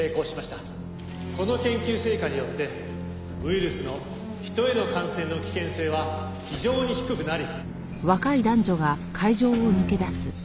「この研究成果によってウイルスの人への感染の危険性は非常に低くなり」